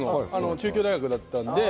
中京大学だったので。